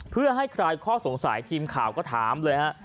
เพื่อให้คลายข้อสงสัยทีมข่าวก็ถามเลยฮะ